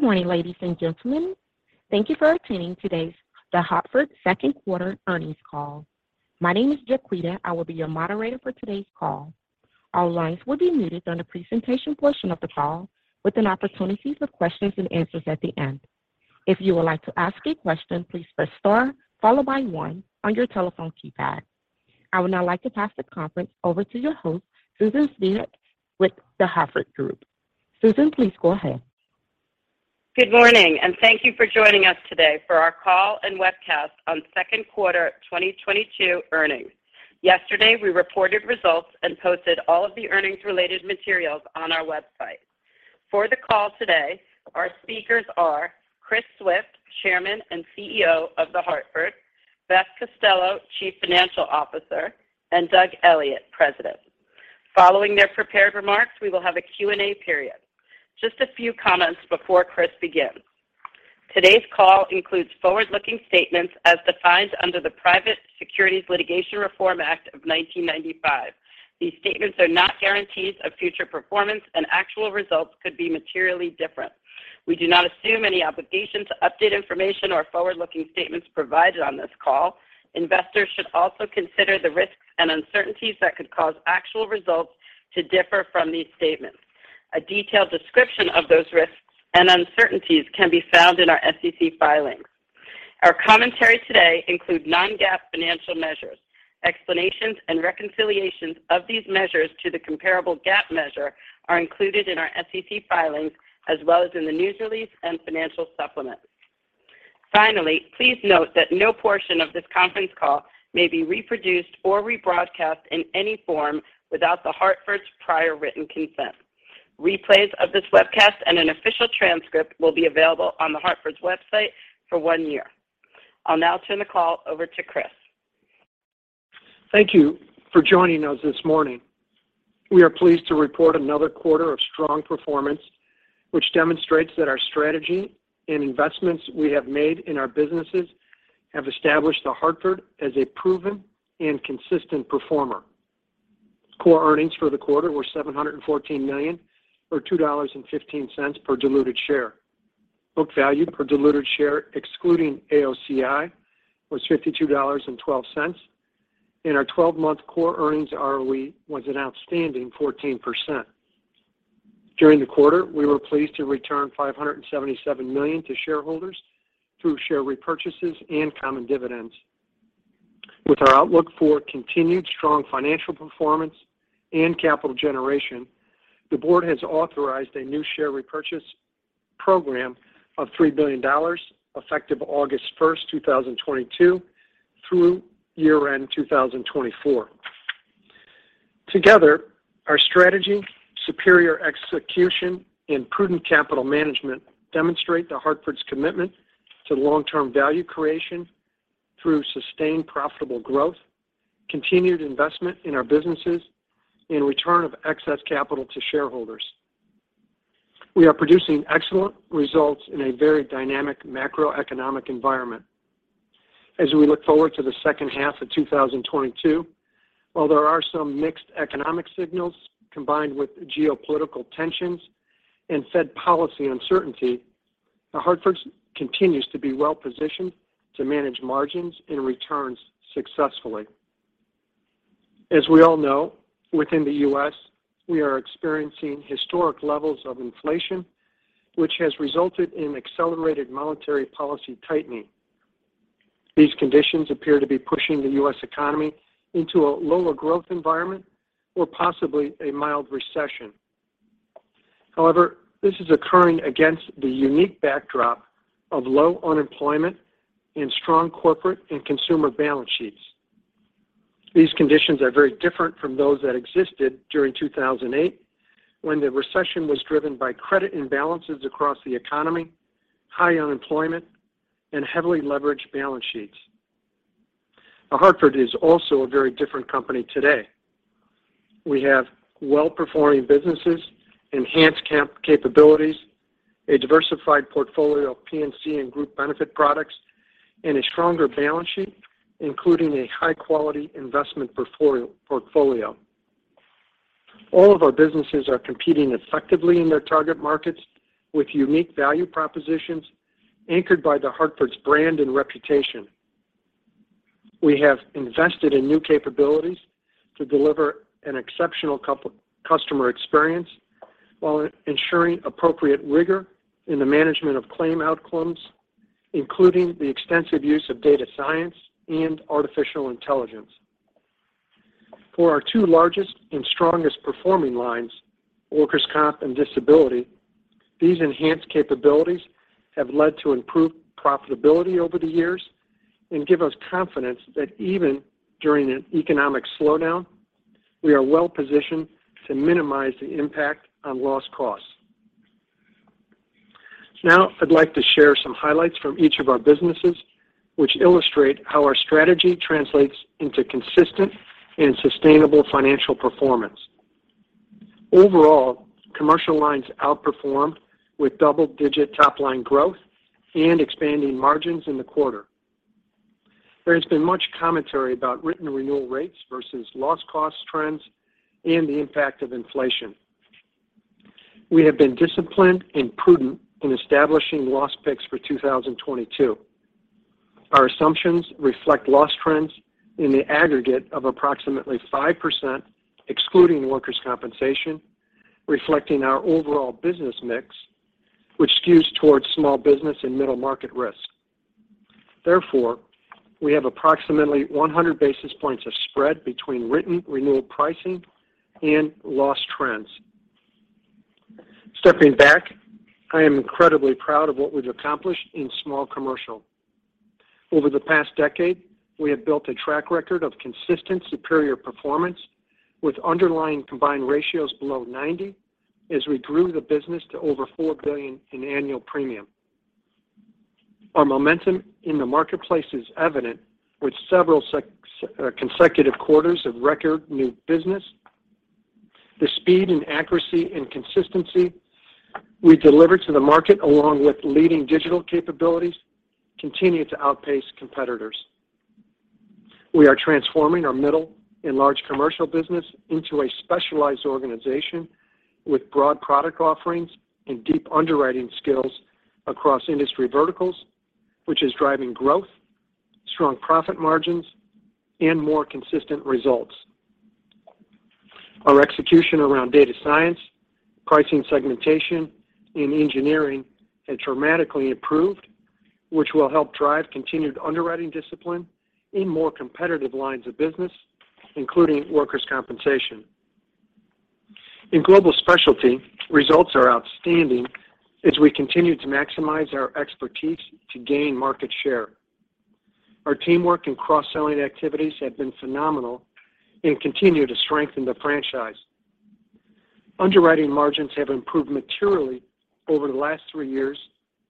Good morning, ladies and gentlemen. Thank you for attending today's The Hartford's second quarter earnings call. My name is Jaquita. I will be your moderator for today's call. All lines will be muted during the presentation portion of the call with an opportunity for questions and answers at the end. If you would like to ask a question, please press star followed by one on your telephone keypad. I would now like to pass the conference over to your host, Susan Spivak with The Hartford Group. Susan, please go ahead. Good morning, and thank you for joining us today for our call and webcast on second quarter 2022 earnings. Yesterday, we reported results and posted all of the earnings-related materials on our website. For the call today, our speakers are Chris Swift, Chairman and CEO of The Hartford, Beth Costello, Chief Financial Officer, and Doug Elliot, President. Following their prepared remarks, we will have a Q&A period. Just a few comments before Chris begins. Today's call includes forward-looking statements as defined under the Private Securities Litigation Reform Act of 1995. These statements are not guarantees of future performance, and actual results could be materially different. We do not assume any obligation to update information or forward-looking statements provided on this call. Investors should also consider the risks and uncertainties that could cause actual results to differ from these statements. A detailed description of those risks and uncertainties can be found in our SEC filings. Our commentary today includes non-GAAP financial measures. Explanations and reconciliations of these measures to the comparable GAAP measure are included in our SEC filings as well as in the news release and financial supplements. Finally, please note that no portion of this conference call may be reproduced or rebroadcast in any form without The Hartford's prior written consent. Replays of this webcast and an official transcript will be available on The Hartford's website for one year. I'll now turn the call over to Chris. Thank you for joining us this morning. We are pleased to report another quarter of strong performance which demonstrates that our strategy and investments we have made in our businesses have established The Hartford as a proven and consistent performer. Core earnings for the quarter were $714 million or $2.15 per diluted share. Book value per diluted share, excluding AOCI, was $52.12. Our 12-month core earnings ROE was an outstanding 14%. During the quarter, we were pleased to return $577 million to shareholders through share repurchases and common dividends. With our outlook for continued strong financial performance and capital generation, the board has authorized a new share repurchase program of $3 billion, effective August 1st, 2022 through year-end 2024. Together, our strategy, superior execution, and prudent capital management demonstrate The Hartford's commitment to long-term value creation through sustained profitable growth, continued investment in our businesses, and return of excess capital to shareholders. We are producing excellent results in a very dynamic macroeconomic environment. As we look forward to the second half of 2022, while there are some mixed economic signals combined with geopolitical tensions and Fed policy uncertainty, The Hartford continues to be well-positioned to manage margins and returns successfully. As we all know, within the U.S., we are experiencing historic levels of inflation which has resulted in accelerated monetary policy tightening. These conditions appear to be pushing the U.S. economy into a lower growth environment or possibly a mild recession. However, this is occurring against the unique backdrop of low unemployment and strong corporate and consumer balance sheets. These conditions are very different from those that existed during 2008 when the recession was driven by credit imbalances across the economy, high unemployment, and heavily leveraged balance sheets. The Hartford is also a very different company today. We have well-performing businesses, enhanced capabilities, a diversified portfolio of P&C and group benefit products, and a stronger balance sheet, including a high-quality investment portfolio. All of our businesses are competing effectively in their target markets with unique value propositions anchored by The Hartford's brand and reputation. We have invested in new capabilities to deliver an exceptional customer experience while ensuring appropriate rigor in the management of claim outcomes, including the extensive use of data science and artificial intelligence. For our two largest and strongest performing lines, Workers' Comp and disability, these enhanced capabilities have led to improved profitability over the years and give us confidence that even during an economic slowdown, we are well positioned to minimize the impact on loss costs. Now I'd like to share some highlights from each of our businesses which illustrate how our strategy translates into consistent and sustainable financial performance. Overall, Commercial Lines outperformed with double-digit top line growth and expanding margins in the quarter. There has been much commentary about written renewal rates versus loss cost trends and the impact of inflation. We have been disciplined and prudent in establishing loss picks for 2022. Our assumptions reflect loss trends in the aggregate of approximately 5% excluding Workers' Compensation, reflecting our overall business mix, which skews towards small business and middle market risk. Therefore, we have approximately 100 basis points of spread between written renewal pricing and loss trends. Stepping back, I am incredibly proud of what we've accomplished in Small Commercial. Over the past decade, we have built a track record of consistent superior performance with underlying combined ratios below 90 as we grew the business to over $4 billion in annual premium. Our momentum in the marketplace is evident with several consecutive quarters of record new business. The speed and accuracy and consistency we deliver to the market, along with leading digital capabilities, continue to outpace competitors. We are transforming our Middle & Large Commercial business into a specialized organization with broad product offerings and deep underwriting skills across industry verticals, which is driving growth, strong profit margins, and more consistent results. Our execution around data science, pricing segmentation, and engineering had dramatically improved, which will help drive continued underwriting discipline in more competitive lines of business, including Workers' Compensation. In Global Specialty, results are outstanding as we continue to maximize our expertise to gain market share. Our teamwork and cross-selling activities have been phenomenal and continue to strengthen the franchise. Underwriting margins have improved materially over the last three years,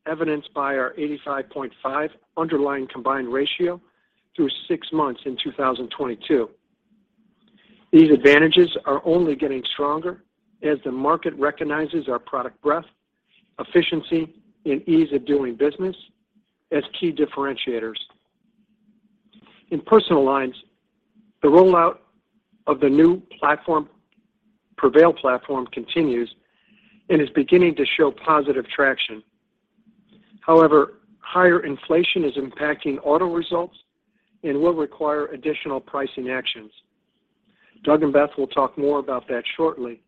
evidenced by our 85.5 underlying combined ratio through six months in 2022. These advantages are only getting stronger as the market recognizes our product breadth, efficiency, and ease of doing business as key differentiators. In Personal Lines, the rollout of the new platform, Prevail platform continues and is beginning to show positive traction. However, higher inflation is impacting auto results and will require additional pricing actions. Doug and Beth will talk more about that shortly.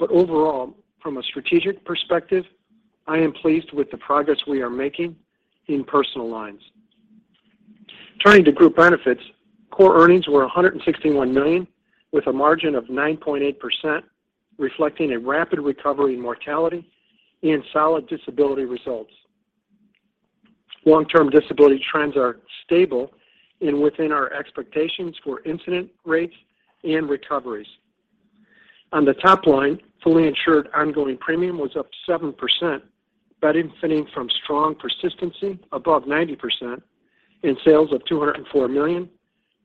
Overall, from a strategic perspective, I am pleased with the progress we are making in Personal Lines. Turning to Group Benefits, core earnings were $161 million, with a margin of 9.8%, reflecting a rapid recovery in mortality and solid disability results. Long-Term Disability trends are stable and within our expectations for incident rates and recoveries. On the top line, fully insured ongoing premium was up 7%, benefiting from strong persistency above 90% in sales of $204 million,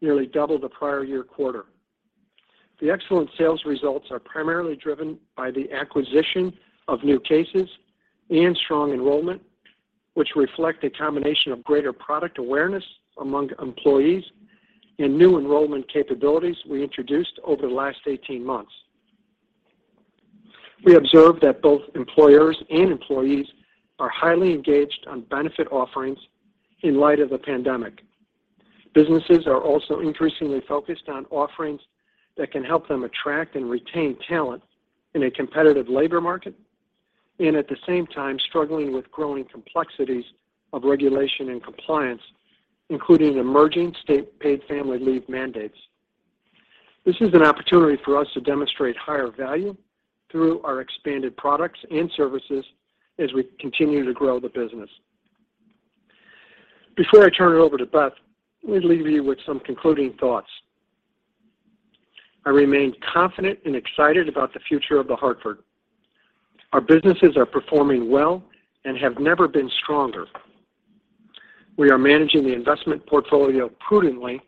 nearly double the prior year quarter. The excellent sales results are primarily driven by the acquisition of new cases and strong enrollment, which reflect a combination of greater product awareness among employees and new enrollment capabilities we introduced over the last 18 months. We observed that both employers and employees are highly engaged on benefit offerings in light of the pandemic. Businesses are also increasingly focused on offerings that can help them attract and retain talent in a competitive labor market, and at the same time, struggling with growing complexities of regulation and compliance, including emerging state-paid family leave mandates. This is an opportunity for us to demonstrate higher value through our expanded products and services as we continue to grow the business. Before I turn it over to Beth, let me leave you with some concluding thoughts. I remain confident and excited about the future of The Hartford. Our businesses are performing well and have never been stronger. We are managing the investment portfolio prudently,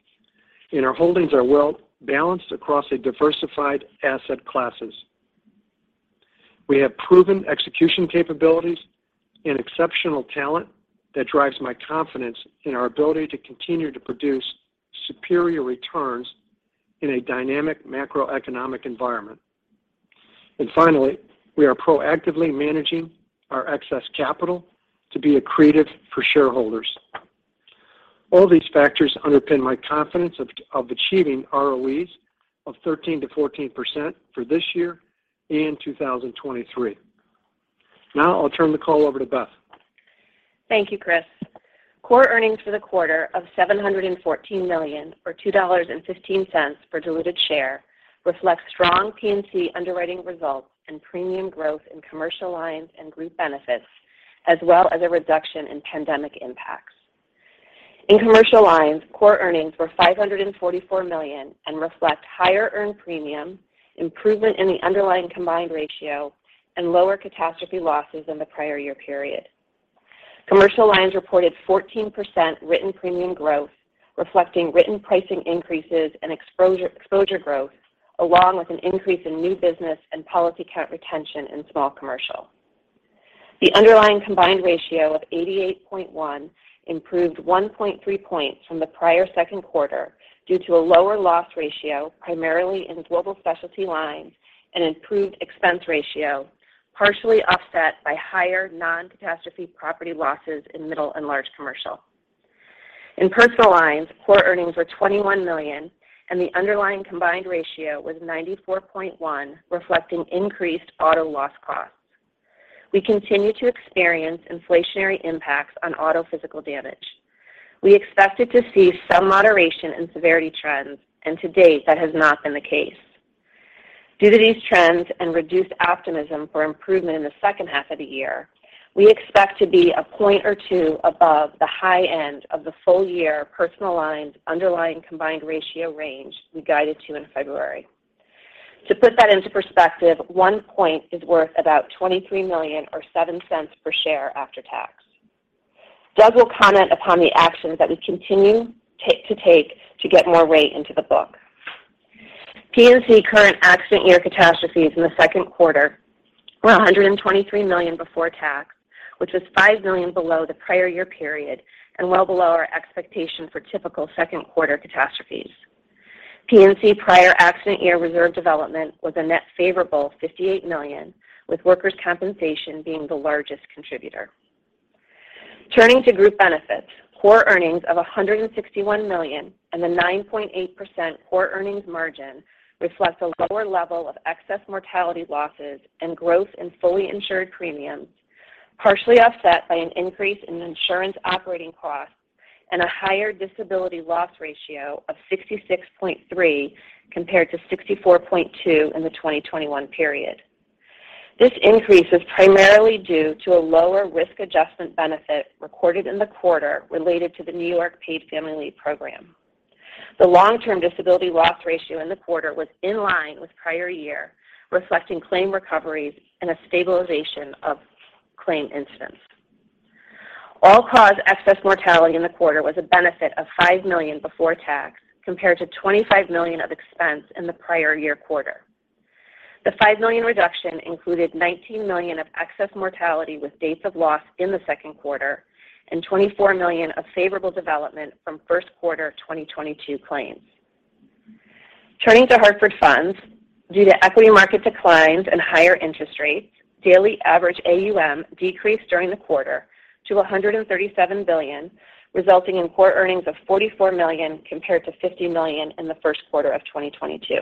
and our holdings are well balanced across a diversified asset classes. We have proven execution capabilities and exceptional talent that drives my confidence in our ability to continue to produce superior returns in a dynamic macroeconomic environment. Finally, we are proactively managing our excess capital to be accretive for shareholders. All these factors underpin my confidence of achieving ROEs of 13%-14% for this year and 2023. Now I'll turn the call over to Beth. Thank you, Chris. Core earnings for the quarter of $714 million or $2.15 per diluted share reflect strong P&C underwriting results and premium growth in Commercial Lines and Group Benefits, as well as a reduction in pandemic impacts. In Commercial Lines, core earnings were $544 million and reflect higher earned premiums, improvement in the underlying combined ratio, and lower catastrophe losses than the prior year period. Commercial Lines reported 14% written premium growth, reflecting written pricing increases and exposure growth, along with an increase in new business and policy count retention in Small Commercial. the underlying combined ratio of 88.1 improved 1.3 points from the prior second quarter due to a lower loss ratio, primarily in Global Specialty Lines, and improved expense ratio, partially offset by higher non-catastrophe property losses in Middle & Large Commercial. In Personal Lines, core earnings were $21 million, and the underlying combined ratio was 94.1%, reflecting increased auto loss costs. We continue to experience inflationary impacts on auto physical damage. We expected to see some moderation in severity trends, and to date, that has not been the case. Due to these trends and reduced optimism for improvement in the second half of the year, we expect to be a point or two above the high end of the full year Personal Lines underlying combined ratio range we guided to in February. To put that into perspective, one point is worth about $23 million or $0.07 per share after tax. Doug will comment on the actions that we continue to take to get more rate into the book. P&C current accident year catastrophes in the second quarter were $123 million before tax, which was $5 million below the prior year period and well below our expectation for typical second quarter catastrophes. P&C prior accident year reserve development was a net favorable $58 million, with Workers' Compensation being the largest contributor. Turning to Group Benefits, core earnings of $161 million and the 9.8% core earnings margin reflect a lower level of excess mortality losses and growth in fully insured premiums, partially offset by an increase in insurance operating costs and a higher disability loss ratio of 66.3% compared to 64.2% in the 2021 period. This increase is primarily due to a lower risk adjustment benefit recorded in the quarter related to the New York Paid Family Leave program. The Long-Term Disability loss ratio in the quarter was in line with prior year, reflecting claim recoveries and a stabilization of claim incidence. All-cause excess mortality in the quarter was a benefit of $5 million before tax, compared to $25 million of expense in the prior year quarter. The $5 million reduction included $19 million of excess mortality with dates of loss in the second quarter and $24 million of favorable development from first quarter 2022 claims. Turning to Hartford Funds, due to equity market declines and higher interest rates, daily average AUM decreased during the quarter to $137 billion, resulting in core earnings of $44 million compared to $50 million in the first quarter of 2022.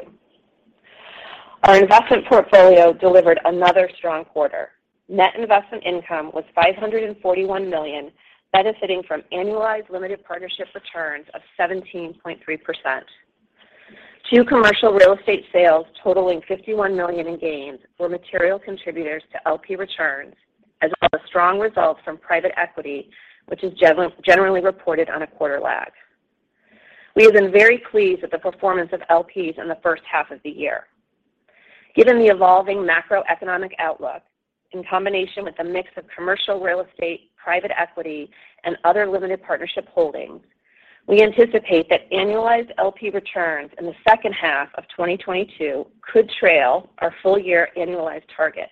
Our investment portfolio delivered another strong quarter. Net investment income was $541 million, benefiting from annualized limited partnership returns of 17.3%. Two commercial real estate sales totaling $51 million in gains were material contributors to LP returns, as well as strong results from private equity, which is generally reported on a quarter lag. We have been very pleased with the performance of LPs in the first half of the year. Given the evolving macroeconomic outlook, in combination with a mix of commercial real estate, private equity, and other limited partnership holdings, we anticipate that annualized LP returns in the second half of 2022 could trail our full-year annualized target.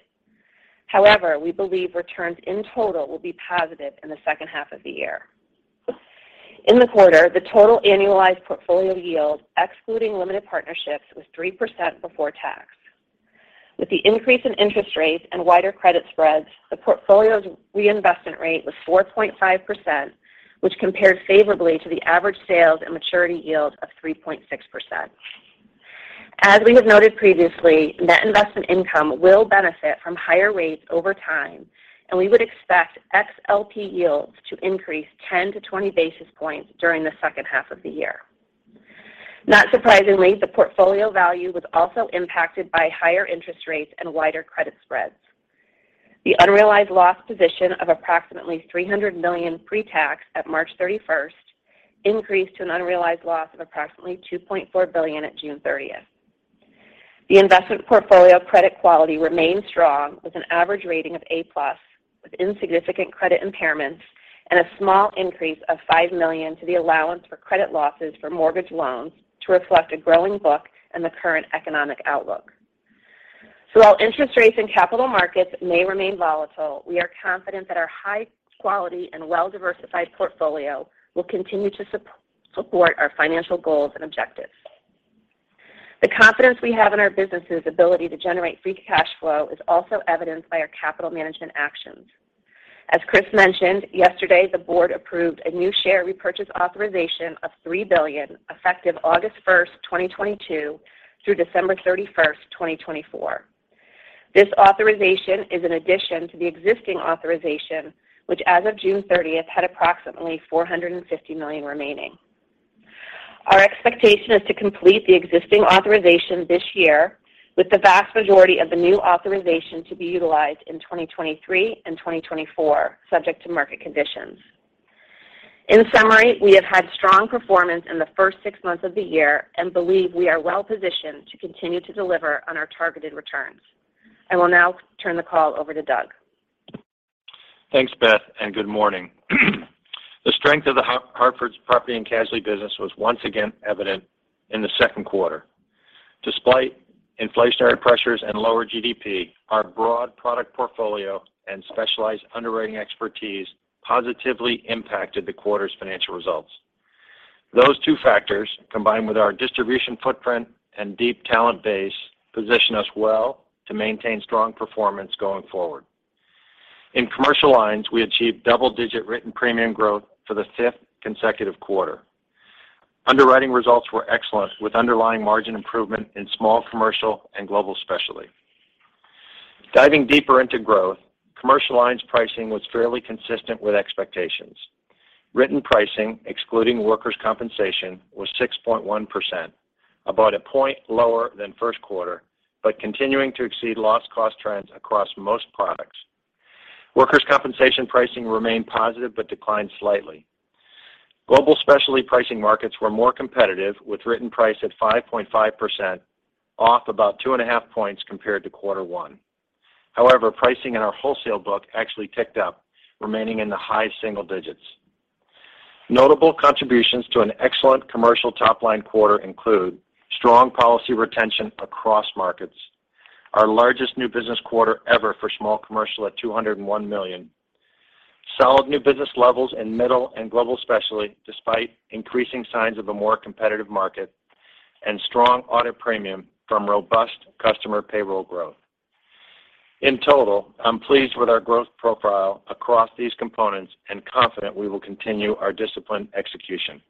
However, we believe returns in total will be positive in the second half of the year. In the quarter, the total annualized portfolio yield, excluding limited partnerships, was 3% before tax. With the increase in interest rates and wider credit spreads, the portfolio's reinvestment rate was 4.5%, which compared favorably to the average sales and maturity yield of 3.6%. As we have noted previously, net investment income will benefit from higher rates over time, and we would expect XLP yields to increase 10-20 basis points during the second half of the year. Not surprisingly, the portfolio value was also impacted by higher interest rates and wider credit spreads. The unrealized loss position of approximately $300 million pre-tax at March 31st increased to an unrealized loss of approximately $2.4 billion at June 30th. The investment portfolio credit quality remains strong, with an average rating of A+ with insignificant credit impairments and a small increase of $5 million to the allowance for credit losses for mortgage loans to reflect a growing book and the current economic outlook. While interest rates and capital markets may remain volatile, we are confident that our high-quality and well-diversified portfolio will continue to support our financial goals and objectives. The confidence we have in our business's ability to generate free cash flow is also evidenced by our capital management actions. As Chris mentioned, yesterday the board approved a new share repurchase authorization of $3 billion effective August 1st, 2022 through December 31st, 2024. This authorization is in addition to the existing authorization, which as of June 30th, had approximately $450 million remaining. Our expectation is to complete the existing authorization this year, with the vast majority of the new authorization to be utilized in 2023 and 2024, subject to market conditions. In summary, we have had strong performance in the first six months of the year and believe we are well-positioned to continue to deliver on our targeted returns. I will now turn the call over to Doug. Thanks, Beth, and good morning. The strength of The Hartford's Property and Casualty business was once again evident in the second quarter. Despite inflationary pressures and lower GDP, our broad product portfolio and specialized underwriting expertise positively impacted the quarter's financial results. Those two factors, combined with our distribution footprint and deep talent base, position us well to maintain strong performance going forward. In Commercial Lines, we achieved double-digit written premium growth for the fifth consecutive quarter. Underwriting results were excellent, with underlying margin improvement in Small Commercial and Global Specialty. Diving deeper into growth, Commercial Lines pricing was fairly consistent with expectations. Written pricing, excluding Workers' Compensation, was 6.1%, about a point lower than first quarter, but continuing to exceed loss cost trends across most products. Workers' Compensation pricing remained positive but declined slightly. Global Specialty pricing markets were more competitive, with written price at 5.5%, off about 2.5 points compared to quarter one. However, pricing in our wholesale book actually ticked up, remaining in the high single digits. Notable contributions to an excellent commercial top-line quarter include strong policy retention across markets, our largest new business quarter ever for Small Commercial at $201 million, solid new business levels in Middle and Global Specialty despite increasing signs of a more competitive market, and strong audit premium from robust customer payroll growth. In total, I'm pleased with our growth profile across these components and confident we will continue our disciplined execution.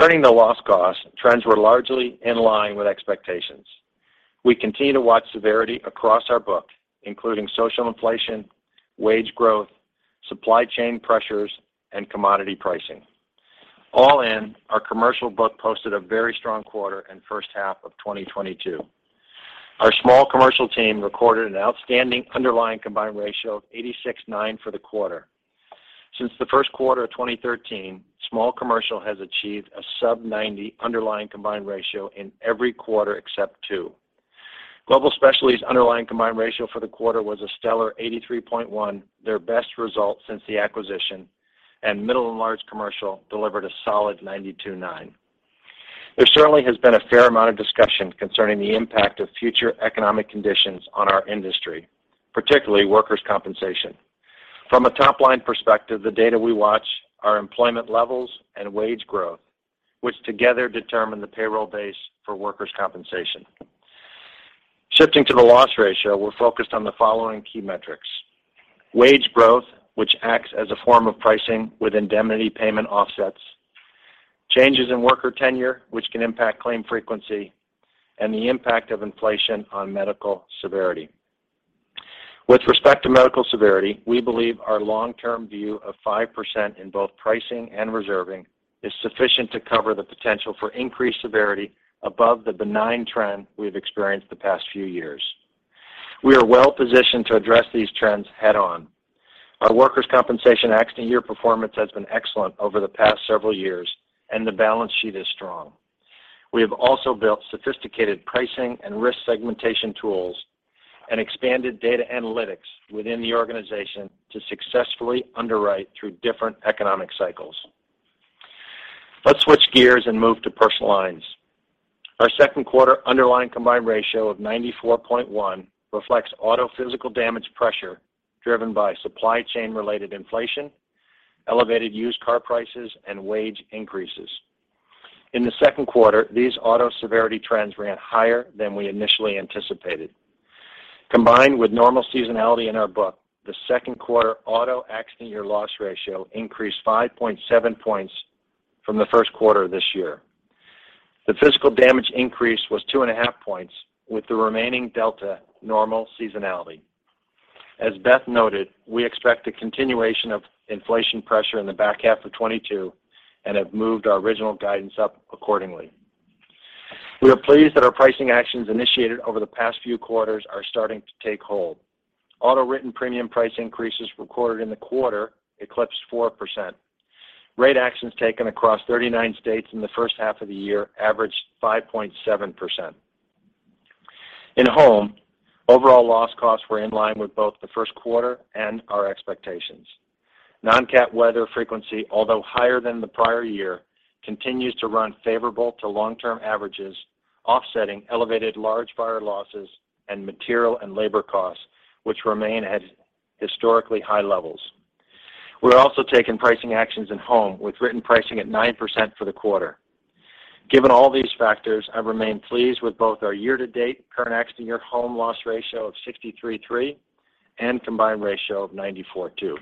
Turning to loss cost, trends were largely in line with expectations. We continue to watch severity across our book, including social inflation, wage growth, supply chain pressures, and commodity pricing. All in, our commercial book posted a very strong quarter and first half of 2022. Our Small Commercial team recorded an outstanding underlying combined ratio of 86.9 for the quarter. Since the first quarter of 2013, Small Commercial has achieved a sub-90 underlying combined ratio in every quarter except two. Global Specialty's underlying combined ratio for the quarter was a stellar 83.1, their best result since the acquisition, and Middle and Large Commercial delivered a solid 92.9. There certainly has been a fair amount of discussion concerning the impact of future economic conditions on our industry, particularly Workers' Compensation. From a top-line perspective, the data we watch are employment levels and wage growth, which together determine the payroll base for Workers' Compensation. Shifting to the loss ratio, we're focused on the following key metrics: wage growth, which acts as a form of pricing with indemnity payment offsets, changes in worker tenure, which can impact claim frequency, and the impact of inflation on medical severity. With respect to medical severity, we believe our long-term view of 5% in both pricing and reserving is sufficient to cover the potential for increased severity above the benign trend we've experienced the past few years. We are well-positioned to address these trends head-on. Our Workers' Compensation accident year performance has been excellent over the past several years, and the balance sheet is strong. We have also built sophisticated pricing and risk segmentation tools and expanded data analytics within the organization to successfully underwrite through different economic cycles. Let's switch gears and move to Personal Lines. Our second quarter underlying combined ratio of 94.1 reflects auto physical damage pressure driven by supply chain-related inflation, elevated used car prices, and wage increases. In the second quarter, these auto severity trends ran higher than we initially anticipated. Combined with normal seasonality in our book, the second quarter auto accident year loss ratio increased 5.7 points from the first quarter of this year. The physical damage increase was 2.5 points, with the remaining delta normal seasonality. As Beth noted, we expect a continuation of inflation pressure in the back half of 2022, and have moved our original guidance up accordingly. We are pleased that our pricing actions initiated over the past few quarters are starting to take hold. Auto-written premium price increases recorded in the quarter eclipsed 4%. Rate actions taken across 39 states in the first half of the year averaged 5.7%. In-home, overall loss costs were in line with both the first quarter and our expectations. Non-cat weather frequency, although higher than the prior year, continues to run favorable to long-term averages, offsetting elevated large fire losses and material and labor costs, which remain at historically high levels. We're also taking pricing actions in home with written pricing at 9% for the quarter. Given all these factors, I remain pleased with both our year-to-date current accident year home loss ratio of 63.3 and combined ratio of 94.2.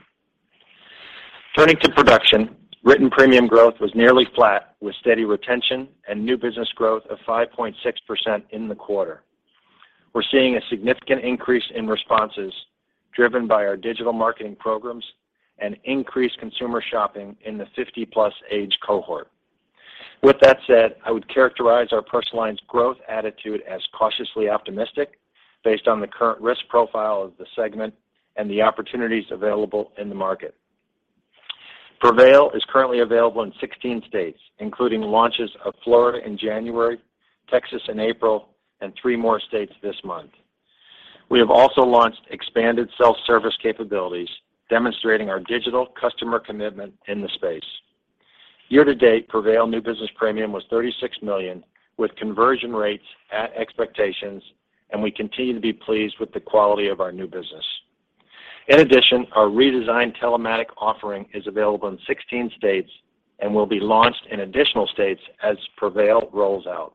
Turning to production, written premium growth was nearly flat with steady retention and new business growth of 5.6% in the quarter. We're seeing a significant increase in responses driven by our digital marketing programs and increased consumer shopping in the 50+ age cohort. With that said, I would characterize our Personal Lines growth attitude as cautiously optimistic based on the current risk profile of the segment and the opportunities available in the market. Prevail is currently available in 16 states, including launches of Florida in January, Texas in April, and three more states this month. We have also launched expanded self-service capabilities demonstrating our digital customer commitment in the space. Year to date, Prevail new business premium was $36 million with conversion rates at expectations, and we continue to be pleased with the quality of our new business. In addition, our redesigned telematics offering is available in 16 states and will be launched in additional states as Prevail rolls out.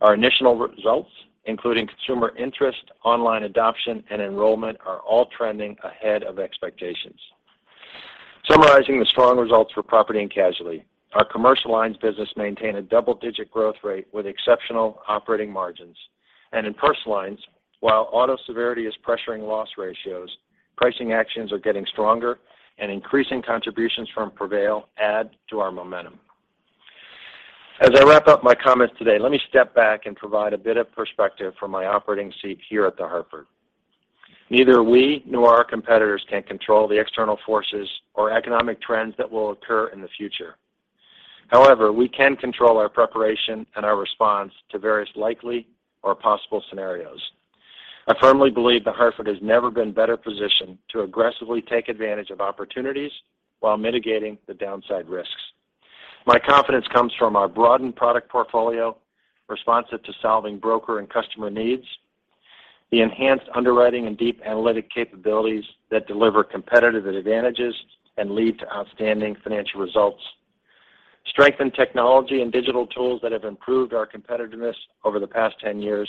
Our initial results, including consumer interest, online adoption, and enrollment, are all trending ahead of expectations. Summarizing the strong results for property and casualty. Our Commercial Lines business maintained a double-digit growth rate with exceptional operating margins. In Personal Lines, while auto severity is pressuring loss ratios, pricing actions are getting stronger and increasing contributions from Prevail add to our momentum. As I wrap up my comments today, let me step back and provide a bit of perspective from my operating seat here at The Hartford. Neither we nor our competitors can control the external forces or economic trends that will occur in the future. However, we can control our preparation and our response to various likely or possible scenarios. I firmly believe The Hartford has never been better positioned to aggressively take advantage of opportunities while mitigating the downside risks. My confidence comes from our broadened product portfolio, responsive to solving broker and customer needs, the enhanced underwriting and deep analytic capabilities that deliver competitive advantages and lead to outstanding financial results, strengthened technology and digital tools that have improved our competitiveness over the past 10 years,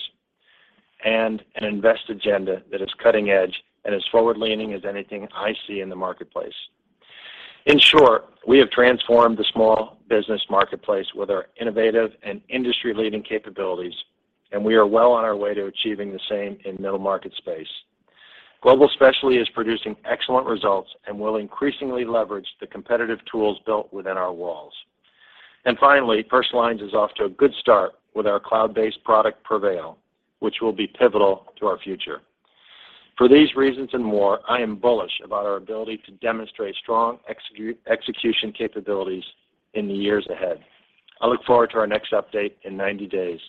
and an invest agenda that is cutting edge and as forward-leaning as anything I see in the marketplace. In short, we have transformed the small business marketplace with our innovative and industry-leading capabilities, and we are well on our way to achieving the same in middle market space. Global Specialty is producing excellent results and will increasingly leverage the competitive tools built within our walls. Finally, Personal Lines is off to a good start with our cloud-based product, Prevail, which will be pivotal to our future. For these reasons and more, I am bullish about our ability to demonstrate strong execution capabilities in the years ahead. I look forward to our next update in 90 days.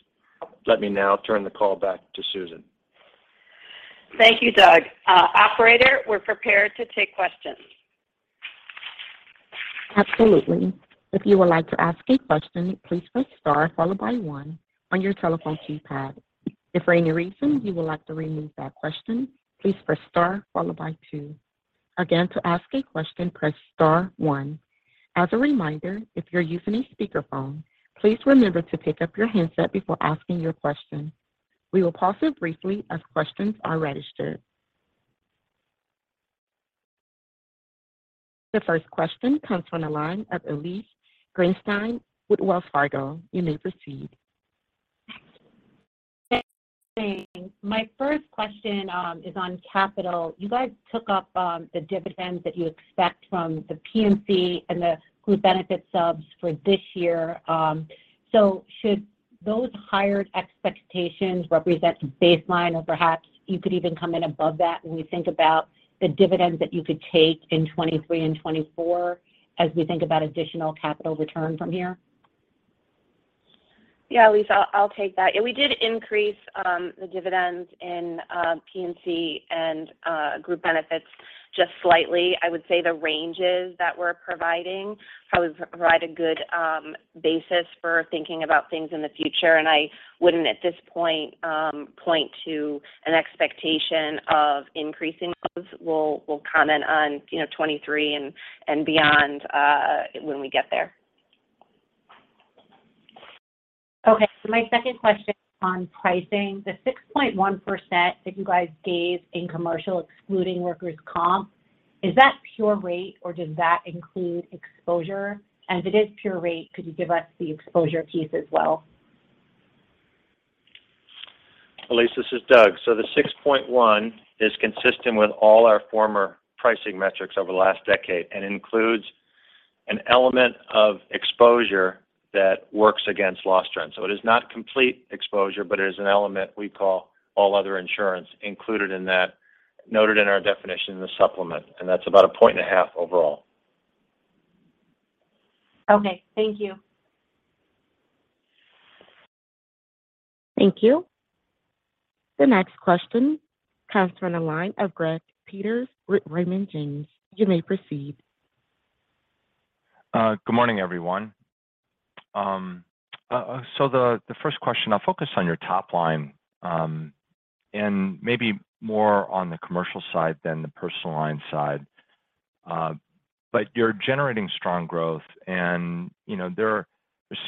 Let me now turn the call back to Susan. Thank you, Doug. Operator, we're prepared to take questions. Absolutely. If you would like to ask a question, please press star followed by one on your telephone keypad. If for any reason you would like to remove that question, please press star followed by two. Again, to ask a question, press star one. As a reminder, if you're using a speakerphone, please remember to pick up your handset before asking your question. We will pause here briefly as questions are registered. The first question comes from the line of Elyse Greenspan with Wells Fargo. You may proceed. Thanks. My first question is on capital. You guys took up the dividends that you expect from the P&C and the Group Benefits subs for this year. Should those higher expectations represent baseline or perhaps you could even come in above that when we think about the dividends that you could take in 2023, and 2024 as we think about additional capital return from here? Yeah, Elyse, I'll take that. Yeah, we did increase the dividends in P&C and Group Benefits just slightly. I would say the ranges that we're providing probably provide a good basis for thinking about things in the future. I wouldn't at this point point to an expectation of increasing those. We'll comment on, you know, 2023 and beyond when we get there. Okay. My second question on pricing. The 6.1% that you guys gave in commercial excluding Workers' Comp, is that pure rate or does that include exposure? And if it is pure rate, could you give us the exposure piece as well? Elyse, this is Doug. The 6.1 is consistent with all our former pricing metrics over the last decade and includes an element of exposure that works against loss trends. It is not complete exposure, but it is an element we call all other insurance included in that, noted in our definition in the supplement, and that's about a point and a half overall. Okay, thank you. Thank you. The next question comes from the line of Greg Peters with Raymond James. You may proceed. Good morning, everyone. The first question, I'll focus on your top line, and maybe more on the commercial side than the Personal Lines side. You're generating strong growth and, you know, there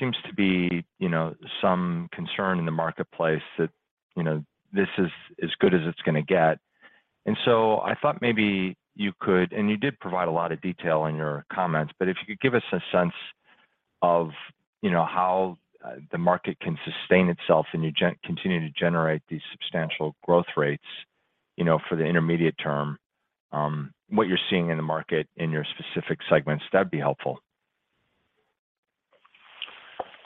seems to be, you know, some concern in the marketplace that, you know, this is as good as it's gonna get. I thought maybe you could, and you did provide a lot of detail in your comments, but if you could give us a sense of, you know, how the market can sustain itself and you continue to generate these substantial growth rates, you know, for the intermediate term, what you're seeing in the market in your specific segments, that'd be helpful.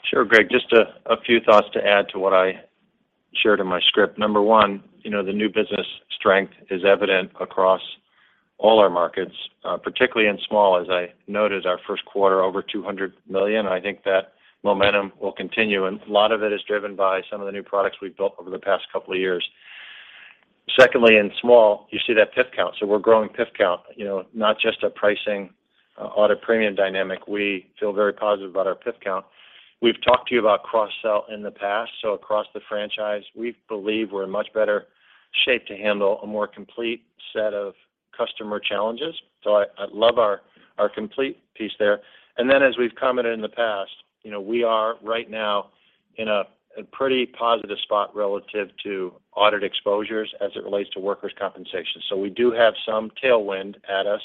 Sure, Greg. Just a few thoughts to add to what I shared in my script. Number one, you know, the new business strength is evident across all our markets, particularly in small, as I noted our first quarter, over $200 million. I think that momentum will continue, and a lot of it is driven by some of the new products we've built over the past couple of years. Secondly, in small, you see that PIF count. So we're growing PIF count, you know, not just a pricing, audit premium dynamic. We feel very positive about our PIF count. We've talked to you about cross-sell in the past, so across the franchise, we believe we're in much better shape to handle a more complete set of customer challenges. So I love our complete piece there. Then, as we've commented in the past, you know, we are right now in a, in pretty positive spot relative to audit exposures as it relates to Workers' Compensation. We do have some tailwind at us,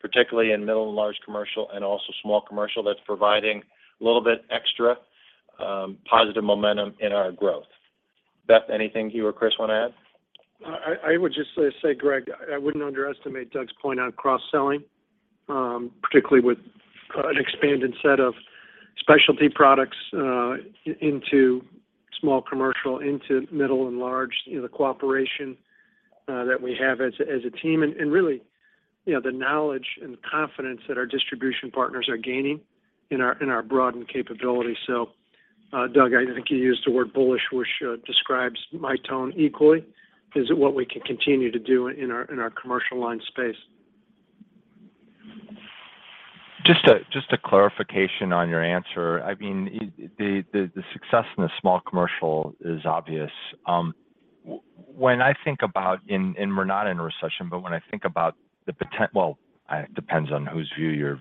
particularly in Middle & Large Commercial and also Small Commercial that's providing a little bit extra positive momentum in our growth. Beth, anything you or Chris want to add? I would just say, Greg, I wouldn't underestimate Doug's point on cross-selling, particularly with an expanded set of specialty products, into Small Commercial, into Middle & Large Commercial, you know, the cooperation that we have as a team, and really, you know, the knowledge and confidence that our distribution partners are gaining in our broadened capability. Doug, I think you used the word bullish, which describes my tone equally is what we can continue to do in our commercial line space. Just a clarification on your answer. I mean, the success in the Small Commercial is obvious. We're not in a recession, but when I think about. Well, it depends on whose view you're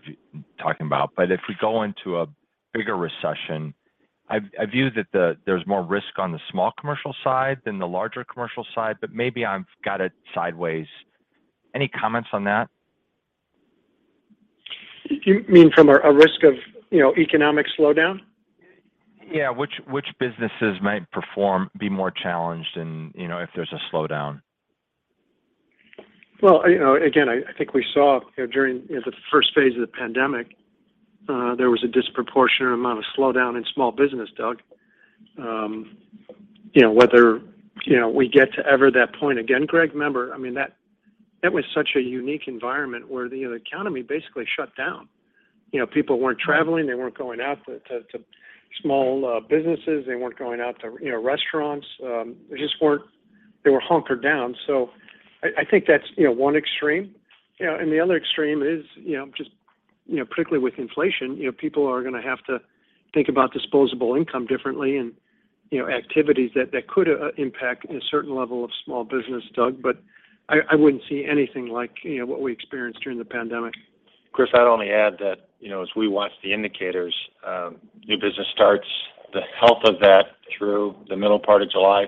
talking about. If we go into a bigger recession, I view that there's more risk on the Small Commercial side than the Middle & Large Commercial side, but maybe I've got it sideways. Any comments on that? You mean from a risk of, you know, economic slowdown? Yeah. Which businesses might perform, be more challenged in, you know, if there's a slowdown? Well, you know, again, I think we saw, you know, during, you know, the first phase of the pandemic, there was a disproportionate amount of slowdown in small business, Doug. You know, whether we ever get to that point again, Greg, remember, I mean, that was such a unique environment where, you know, the economy basically shut down. You know, people weren't traveling, they weren't going out to small businesses. They weren't going out to, you know, restaurants. They just weren't. They were hunkered down. I think that's, you know, one extreme. You know, the other extreme is, you know, just, you know, particularly with inflation, you know, people are gonna have to think about disposable income differently and, you know, activities that could impact a certain level of small business, Doug, but I wouldn't see anything like, you know, what we experienced during the pandemic. Chris, I'd only add that, you know, as we watch the indicators, new business starts, the health of that through the middle part of July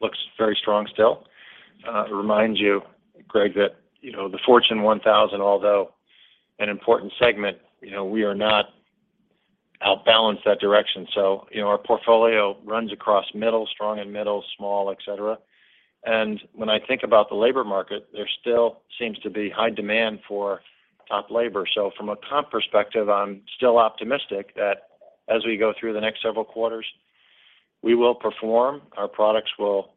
looks very strong still. It reminds you, Greg, that, you know, the Fortune 1000, although an important segment, you know, we are not overbalanced that direction. You know, our portfolio runs across middle, large, and middle, small, et cetera. When I think about the labor market, there still seems to be high demand for top labor. From a comp perspective, I'm still optimistic that as we go through the next several quarters, we will perform, our products will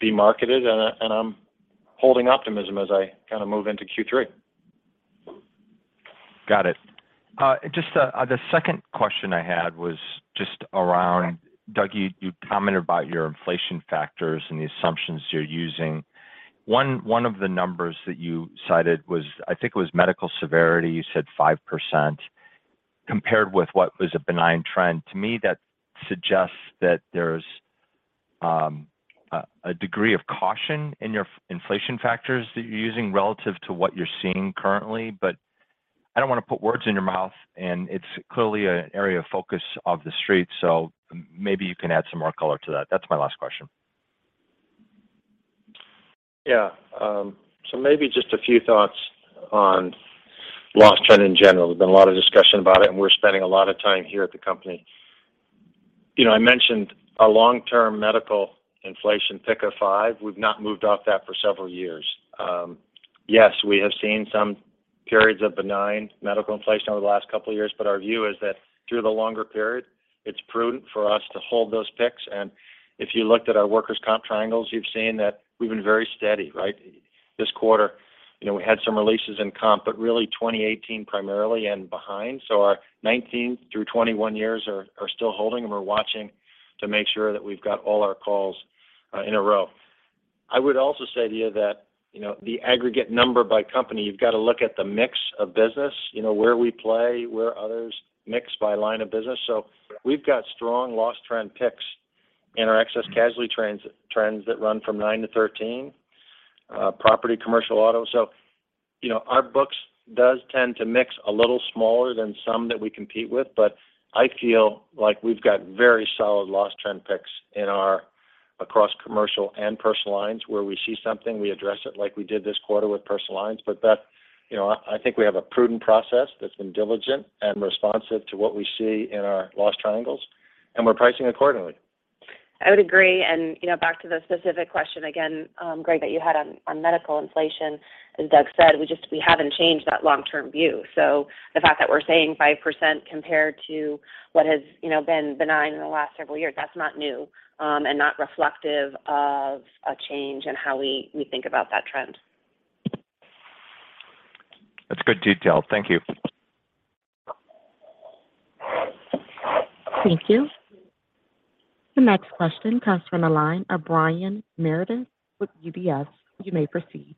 be marketed, and I'm holding optimism as I kind of move into Q3. Got it. Just the second question I had was just around, Doug, you commented about your inflation factors and the assumptions you're using. One of the numbers that you cited was, I think it was medical severity, you said 5% compared with what was a benign trend. To me, that suggests that there's a degree of caution in your inflation factors that you're using relative to what you're seeing currently. But I don't want to put words in your mouth, and it's clearly an area of focus of the street, so maybe you can add some more color to that. That's my last question. Yeah. Maybe just a few thoughts on loss trend in general. There's been a lot of discussion about it, and we're spending a lot of time here at the company. You know, I mentioned a long-term medical inflation pick of 5%. We've not moved off that for several years. Yes, we have seen some periods of benign medical inflation over the last couple of years, but our view is that through the longer period, it's prudent for us to hold those picks. If you looked at our Workers' Comp triangles, you've seen that we've been very steady, right? This quarter, you know, we had some releases in comp, but really 2018 primarily and behind. Our 2019 through 2021 years are still holding, and we're watching to make sure that we've got all our ducks in a row. I would also say to you that, you know, the aggregate number by company, you've got to look at the mix of business, you know, where we play, where others mix by line of business. We've got strong loss trend picks in our excess casualty trends that run from 9-13, property, commercial auto. You know, our books does tend to mix a little smaller than some that we compete with, but I feel like we've got very solid loss trend picks in our across Commercial and Personal Lines, where we see something, we address it like we did this quarter with Personal Lines. Beth, you know, I think we have a prudent process that's been diligent and responsive to what we see in our loss triangles, and we're pricing accordingly. I would agree. You know, back to the specific question again, Greg, that you had on medical inflation, as Doug said, we just haven't changed that long-term view. The fact that we're saying 5% compared to what has, you know, been benign in the last several years, that's not new, and not reflective of a change in how we think about that trend. That's good detail. Thank you. Thank you. The next question comes from the line of Brian Meredith with UBS. You may proceed.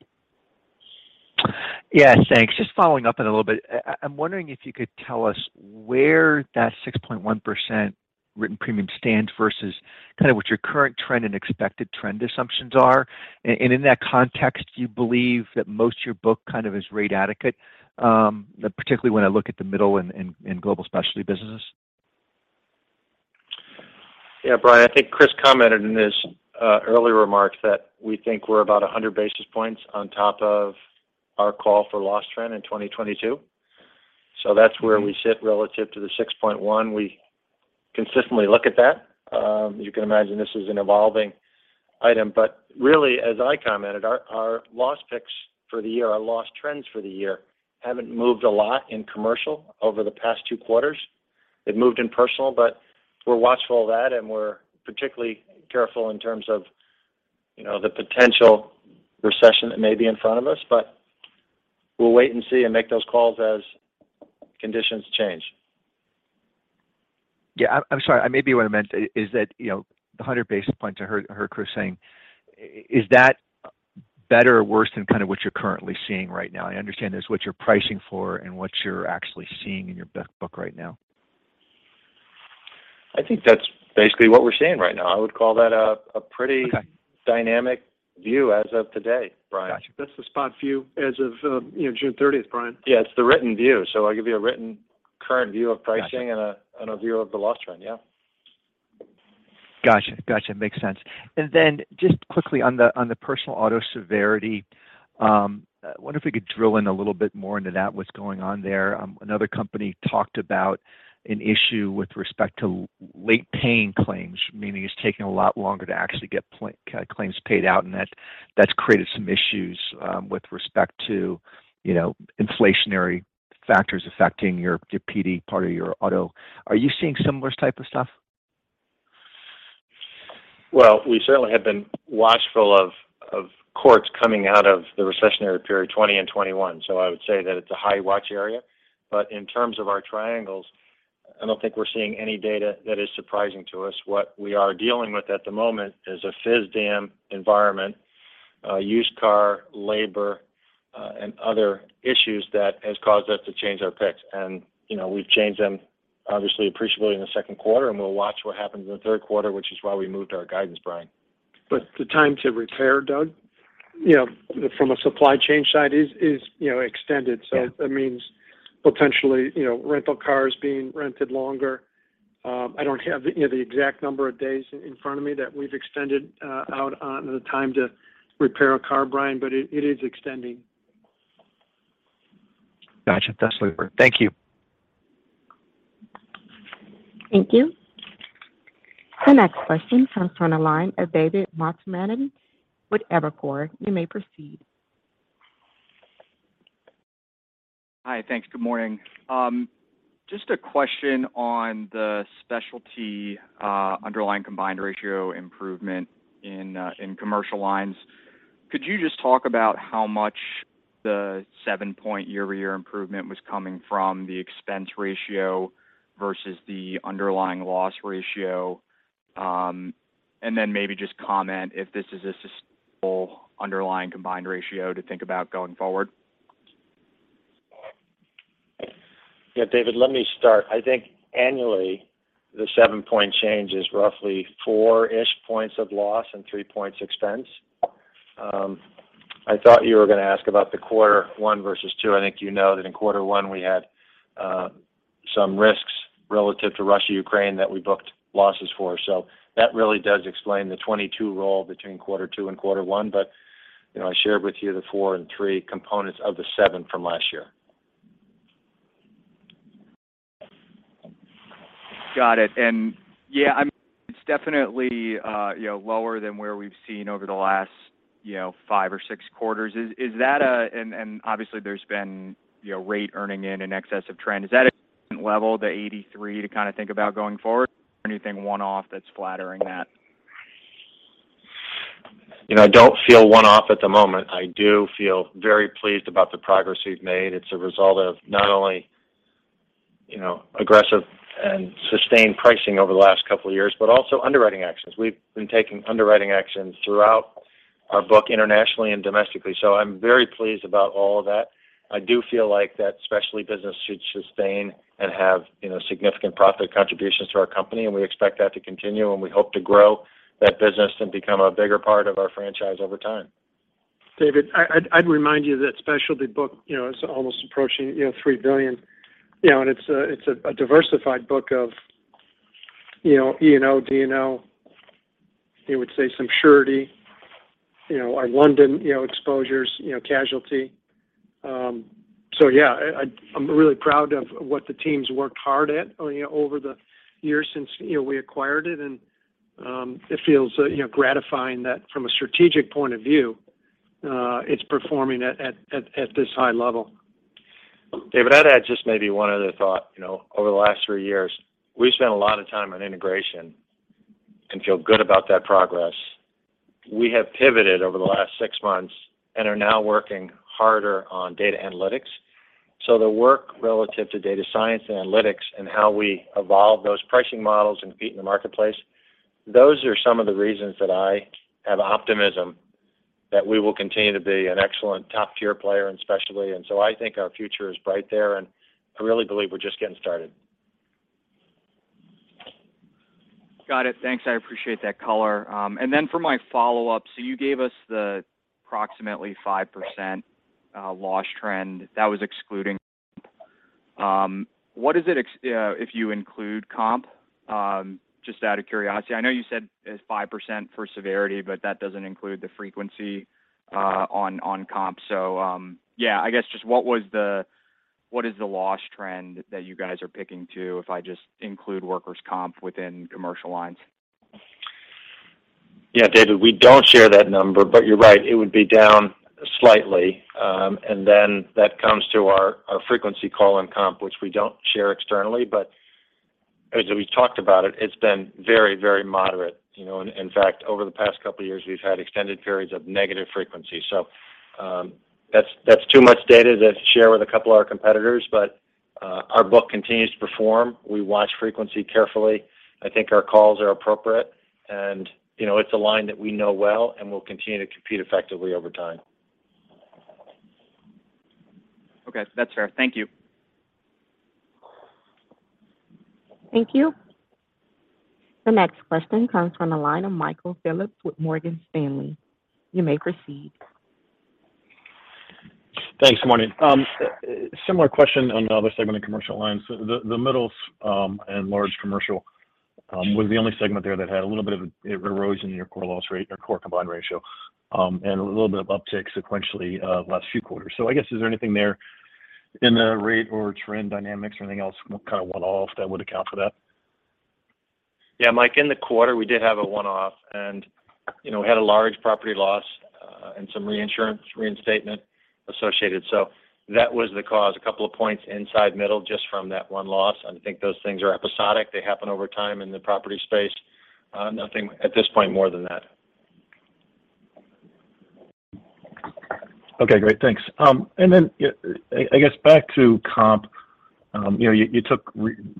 Yeah, thanks. Just following up on a little bit. I'm wondering if you could tell us where that 6.1% written premium stands versus kind of what your current trend and expected trend assumptions are. In that context, do you believe that most of your book kind of is rate adequate, particularly when I look at the Middle & Large Commercial and Global Specialty businesses? Yeah, Brian, I think Chris commented in his earlier remarks that we think we're about 100 basis points on top of our call for loss trend in 2022. That's where we sit relative to the 6.1%. We consistently look at that. You can imagine this is an evolving item, but really, as I commented, our loss picks for the year, our loss trends for the year haven't moved a lot in commercial over the past two quarters. They've moved in personal, but we're watchful of that, and we're particularly careful in terms of the potential recession that may be in front of us. We'll wait and see and make those calls as conditions change. Yeah. I'm sorry. Maybe what I meant is that, you know, the 100 basis points I heard Chris saying, is that better or worse than kind of what you're currently seeing right now? I understand there's what you're pricing for and what you're actually seeing in your b-book right now. I think that's basically what we're seeing right now. I would call that a pretty- Okay. Dynamic view as of today, Brian. Got you. That's the spot view as of June 13th, Brian. Yeah, it's the written view. I'll give you a written current view of pricing. Got you. a view of the loss trend, yeah. Got you. Makes sense. Just quickly on the personal auto severity, I wonder if we could drill in a little bit more into that, what's going on there. Another company talked about an issue with respect to late paying claims, meaning it's taking a lot longer to actually get claims paid out, and that's created some issues with respect to, you know, inflationary factors affecting your PD part of your auto. Are you seeing similar type of stuff? Well, we certainly have been watchful of costs coming out of the recessionary period 2020 and 2021. I would say that it's a high watch area. In terms of our triangles, I don't think we're seeing any data that is surprising to us. What we are dealing with at the moment is a physical damage environment, used car, labor, and other issues that has caused us to change our picks. You know, we've changed them, obviously, appreciably in the second quarter, and we'll watch what happens in the third quarter, which is why we moved our guidance, Brian. The time to repair, Doug, you know, from a supply chain side is extended. Yeah. That means potentially, you know, rental cars being rented longer. I don't have the, you know, the exact number of days in front of me that we've extended out on the time to repair a car, Brian, but it is extending. Got you. That's super. Thank you. Thank you. The next question comes from the line of David Motemaden with Evercore. You may proceed. Hi. Thanks. Good morning. Just a question on the specialty underlying combined ratio improvement in Commercial Lines. Could you just talk about how much the 7-point year-over-year improvement was coming from the expense ratio versus the underlying loss ratio? Maybe just comment if this is a sustainable underlying combined ratio to think about going forward. Yeah, David, let me start. I think annually, the 7-point change is roughly 4-ish points of loss and 3 points expense. I thought you were gonna ask about the quarter one versus two. I think you know that in quarter one, we had some risks relative to Russia, Ukraine that we booked losses for. That really does explain the 2022 roll between quarter two and quarter one. You know, I shared with you the 4 and 3 components of the 7 from last year. Got it. Yeah, I mean, it's definitely, you know, lower than where we've seen over the last, you know, five or six quarters. Obviously, there's been, you know, rate earning in excess of trend. Is that a different level, the 83, to kind of think about going forward or anything one-off that's flattering that? You know, I don't feel one-off at the moment. I do feel very pleased about the progress we've made. It's a result of not only, you know, aggressive and sustained pricing over the last couple of years, but also underwriting actions. We've been taking underwriting actions throughout our book internationally and domestically. I'm very pleased about all of that. I do feel like that specialty business should sustain and have, you know, significant profit contributions to our company, and we expect that to continue, and we hope to grow that business and become a bigger part of our franchise over time. David, I'd remind you that specialty book, you know, is almost approaching, you know, $3 billion. You know, and it's a diversified book of, you know, E&O, D&O, I would say some surety, you know, our London, you know, exposures, you know, casualty. So yeah, I'm really proud of what the team's worked hard at, you know, over the years since, you know, we acquired it. It feels, you know, gratifying that from a strategic point of view, it's performing at this high level. David, I'd add just maybe one other thought. You know, over the last three years, we've spent a lot of time on integration and feel good about that progress. We have pivoted over the last six months and are now working harder on data analytics. The work relative to data science and analytics, and how we evolve those pricing models and compete in the marketplace, those are some of the reasons that I have optimism that we will continue to be an excellent top-tier player, and especially. I think our future is bright there, and I really believe we're just getting started. Got it. Thanks. I appreciate that color. For my follow-up. You gave us the approximately 5% loss trend that was excluding comp. What is it if you include comp? Just out of curiosity. I know you said it's 5% for severity, but that doesn't include the frequency on comp. I guess just what is the loss trend that you guys are picking too, if I just include Workers' Comp within Commercial Lines? Yeah, David, we don't share that number, but you're right, it would be down slightly. That comes to our frequency call in comp, which we don't share externally, but as we've talked about it's been very, very moderate. You know, in fact, over the past couple of years, we've had extended periods of negative frequency. That's too much data to share with a couple of our competitors, but our book continues to perform. We watch frequency carefully. I think our calls are appropriate and, you know, it's a line that we know well, and we'll continue to compete effectively over time. Okay. That's fair. Thank you. Thank you. The next question comes from the line of Michael Phillips with Morgan Stanley. You may proceed. Thanks. Morning. Similar question on the other segment of Commercial Lines. The Middle and Large Commercial was the only segment there that had a little bit of erosion in your core loss rate or core combined ratio, and a little bit of uptick sequentially, last few quarters. I guess, is there anything there in the rate or trend dynamics or anything else kind of one-off that would account for that? Yeah, Mike, in the quarter, we did have a one-off and, you know, had a large property loss, and some reinsurance reinstatement associated. That was the cause, a couple of points in the middle just from that one loss. I think those things are episodic. They happen over time in the property space. Nothing at this point more than that. Okay, great. Thanks. I guess back to comp, you know, you took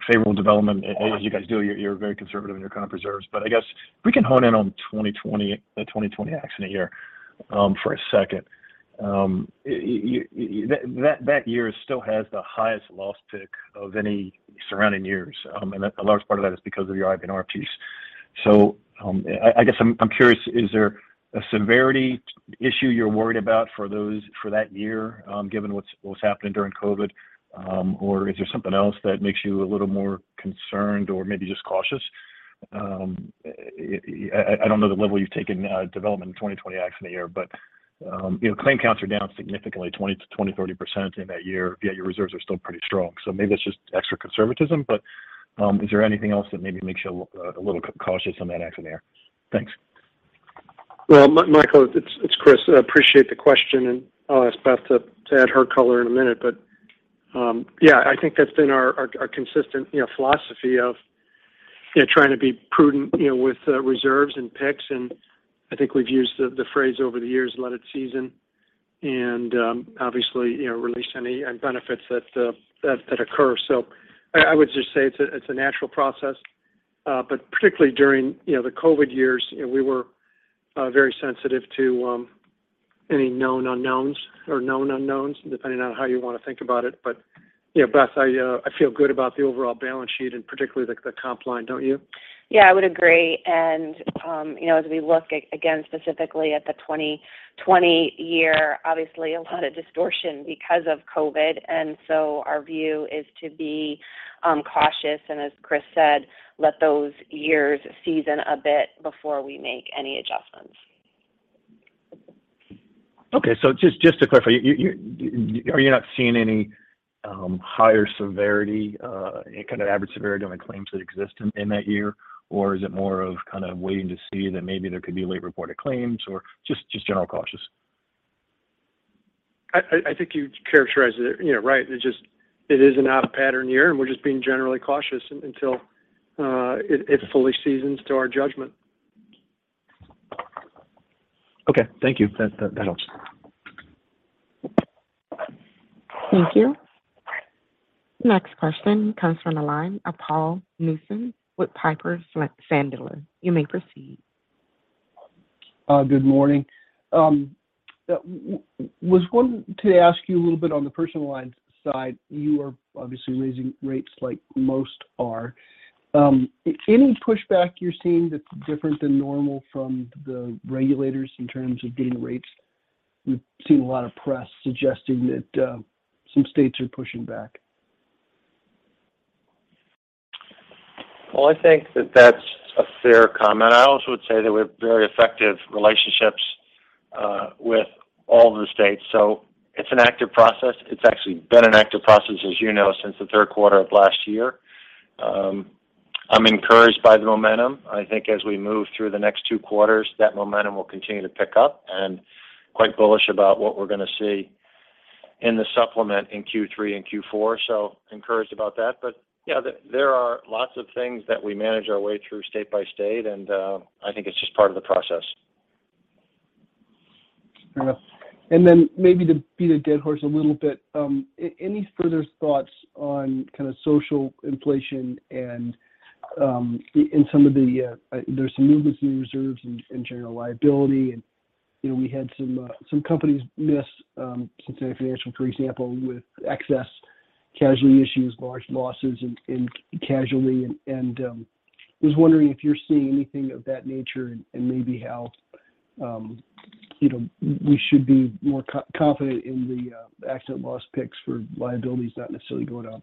favorable development as you guys do. You're very conservative in your comp reserves. I guess if we can hone in on 2020, the 2020 accident year, for a second. That year still has the highest loss pick of any surrounding years. A large part of that is because of your IBNR piece. I guess I'm curious, is there a severity issue you're worried about for that year, given what's happened during COVID? Or is there something else that makes you a little more concerned or maybe just cautious? I don't know the level you've taken development in 2020 accident year, but you know, claim counts are down significantly 20%-30% in that year, yet your reserves are still pretty strong. Maybe it's just extra conservatism, but is there anything else that maybe makes you a little cautious on that accident year? Thanks. Well, Michael, it's Chris. I appreciate the question, and I'll ask Beth to add her color in a minute. Yeah, I think that's been our consistent, you know, philosophy of, you know, trying to be prudent, you know, with reserves and picks. I think we've used the phrase over the years, let it season, and obviously, you know, release any benefits that occur. I would just say it's a natural process. Particularly during the COVID years, you know, we were very sensitive to any known unknowns, or known unknowns, depending on how you want to think about it. You know, Beth, I feel good about the overall balance sheet and particularly the comp line, don't you? Yeah, I would agree. You know, as we look again, specifically at the 2020 year, obviously a lot of distortion because of COVID. Our view is to be cautious, and as Chris said, let those years season a bit before we make any adjustments. Okay. Just to clarify, you. Are you not seeing any higher severity, any kind of average severity on the claims that exist in that year? Or is it more of kind of waiting to see that maybe there could be late-reported claims or just general caution? I think you characterized it, you know, right. It just is an out-of-pattern year, and we're just being generally cautious until it fully seasons to our judgment. Okay. Thank you. That helps. Thank you. Next question comes from the line of Paul Newsome with Piper Sandler. You may proceed. Good morning. Was wanting to ask you a little bit on the Personal Lines side. You are obviously raising rates like most are. Any pushback you're seeing that's different than normal from the regulators in terms of getting rates? We've seen a lot of press suggesting that some states are pushing back. Well, I think that that's a fair comment. I also would say that we have very effective relationships with all the states. It's an active process. It's actually been an active process, as you know, since the third quarter of last year. I'm encouraged by the momentum. I think as we move through the next two quarters, that momentum will continue to pick up, and quite bullish about what we're going to see. In the supplement in Q3 and Q4, so encouraged about that. Yeah, there are lots of things that we manage our way through state by state, and I think it's just part of the process. Fair enough. Maybe to beat a dead horse a little bit, any further thoughts on kind of social inflation and in some of the, there's some movements in reserves and general liability, and you know, we had some companies miss, Cincinnati Financial, for example, with excess casualty issues, large losses in casualty. Was wondering if you're seeing anything of that nature and maybe how you know, we should be more confident in the accident loss picks for liabilities not necessarily going up.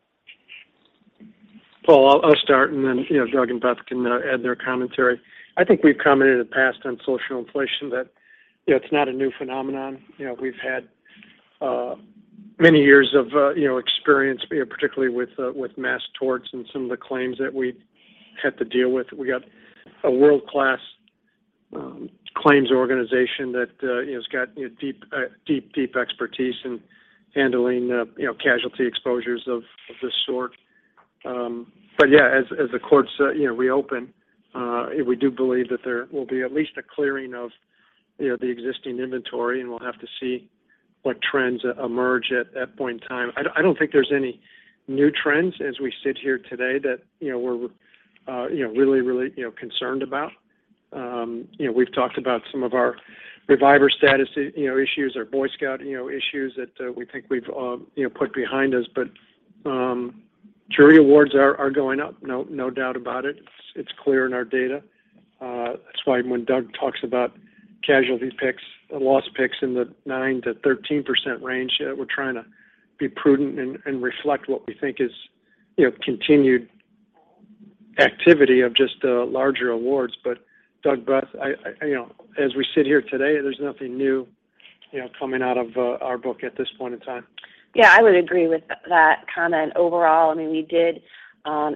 Paul, I'll start, and then, you know, Doug and Beth can add their commentary. I think we've commented in the past on social inflation that, you know, it's not a new phenomenon. You know, we've had many years of, you know, experience, you know, particularly with mass torts and some of the claims that we've had to deal with. We got a world-class claims organization that, you know, has got, you know, deep expertise in handling, you know, casualty exposures of this sort. Yeah, as the courts, you know, reopen, we do believe that there will be at least a clearing of, you know, the existing inventory, and we'll have to see what trends emerge at that point in time. I don't think there's any new trends as we sit here today that you know we're really concerned about. You know, we've talked about some of our reviver statute issues, our Boy Scouts issues that we think we've put behind us. Jury awards are going up, no doubt about it. It's clear in our data. That's why when Doug talks about casualty loss picks in the 9%-13% range, we're trying to be prudent and reflect what we think is continued activity of just larger awards. Doug, Beth, I you know as we sit here today, there's nothing new coming out of our book at this point in time. Yeah, I would agree with that comment overall. I mean, we did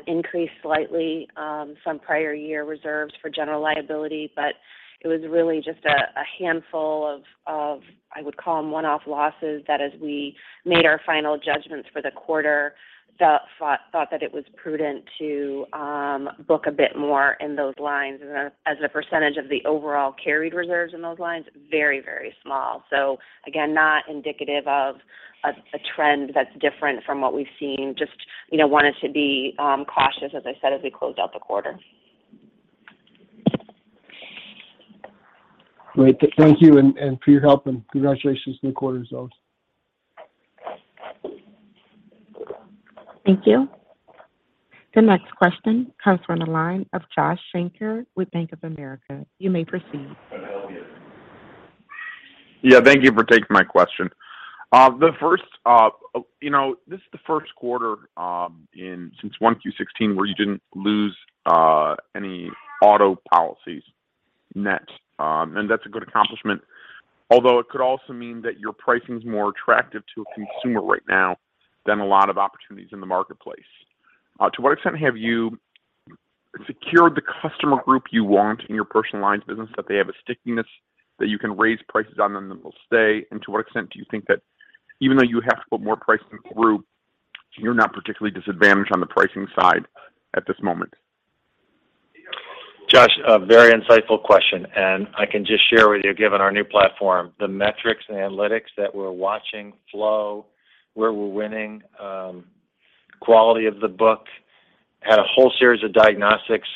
increase slightly some prior year reserves for general liability, but it was really just a handful of I would call them one-off losses that as we made our final judgments for the quarter, Doug thought that it was prudent to book a bit more in those lines. As a percentage of the overall carried reserves in those lines, very small. Again, not indicative of a trend that's different from what we've seen. Just you know wanted to be cautious, as I said, as we closed out the quarter. Great. Thank you, and for your help, and congratulations on the quarter results. Thank you. The next question comes from the line of Josh Shanker with Bank of America. You may proceed. Yeah, thank you for taking my question. This is the first quarter since 2016 where you didn't lose any auto policies net, and that's a good accomplishment. Although it could also mean that your pricing's more attractive to a consumer right now than a lot of opportunities in the marketplace. To what extent have you secured the customer group you want in your Personal Lines business, that they have a stickiness that you can raise prices on them, and it'll stay? To what extent do you think that even though you have to put more pricing through, you're not particularly disadvantaged on the pricing side at this moment? Josh, a very insightful question, and I can just share with you, given our new platform, the metrics and analytics that we're watching flow, where we're winning, quality of the book, had a whole series of diagnostics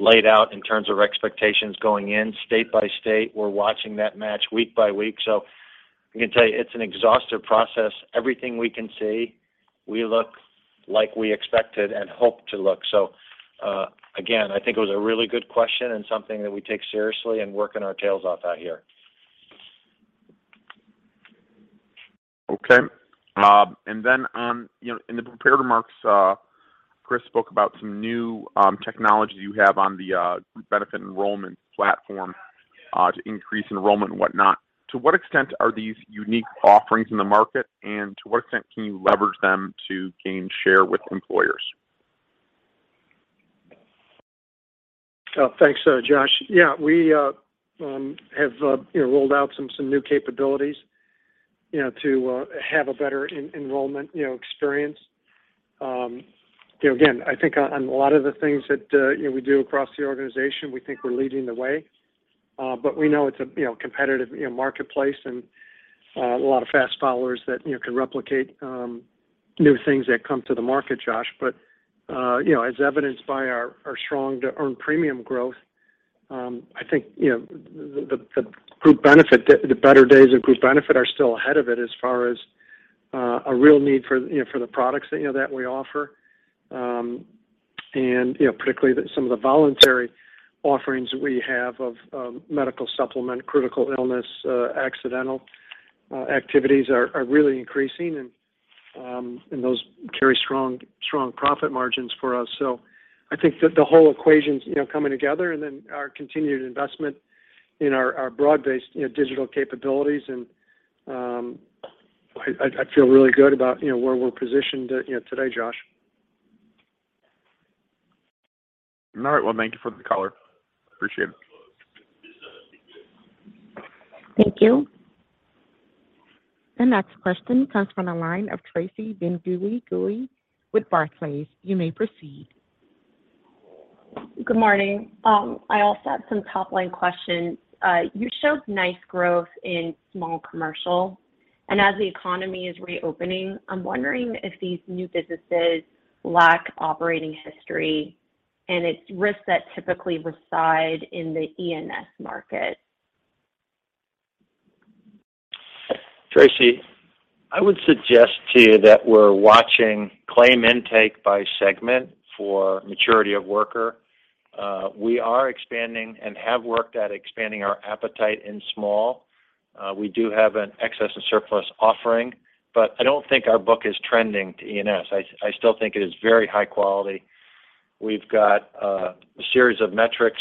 laid out in terms of expectations going in state by state. We're watching that match week by week. I can tell you, it's an exhaustive process. Everything we can see we look like we expected and hoped to look. Again, I think it was a really good question and something that we take seriously and working our tails off out here. You know, in the prepared remarks, Chris spoke about some new technologies you have on the Group Benefits enrollment platform to increase enrollment and whatnot. To what extent are these unique offerings in the market, and to what extent can you leverage them to gain share with employers? Thanks, Josh. Yeah, we have rolled out some new capabilities to have a better enrollment experience. Again, I think on a lot of the things that we do across the organization, we think we're leading the way, but we know it's a competitive marketplace and a lot of fast followers that can replicate new things that come to the market, Josh. As evidenced by our strong, too, earned premium growth, I think the better days of Group Benefits are still ahead of it as far as a real need for the products that we offer. You know, particularly some of the voluntary offerings we have of Medical Supplement, critical illness, accident are really increasing and those carry strong profit margins for us. I think the whole equation's, you know, coming together and then our continued investment in our broad-based, you know, digital capabilities and I feel really good about, you know, where we're positioned, you know, today, Josh. All right. Well, thank you for the color. Appreciate it. Thank you. The next question comes from the line of Tracy Benguigui with Barclays. You may proceed. Good morning. I also had some top-line questions. You showed nice growth in Small Commercial, and as the economy is reopening, I'm wondering if these new businesses lack operating history and its risks that typically reside in the E&S market? Tracy, I would suggest to you that we're watching claim intake by segment for Workers' Comp. We are expanding and have worked at expanding our appetite in Small Commercial. We do have an excess and surplus offering, but I don't think our book is trending to E&S. I still think it is very high quality. We've got a series of metrics